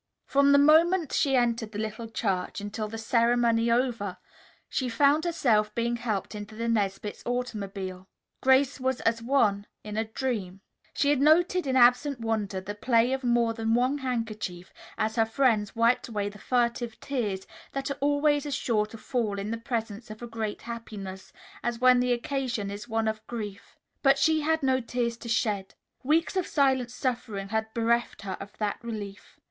From the moment she entered the Little Church until, the ceremony over, she found herself being helped into the Nesbits' automobile, Grace was as one in a dream. She had noted in absent wonder the play of more than one handkerchief as her friends wiped away the furtive tears that are always as sure to fall in the presence of a great happiness, as when the occasion is one of grief. But she had no tears to shed. Weeks of silent suffering had bereft her of that relief.